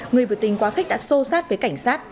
người biểu tình quá khích đã xô sát với cảnh sát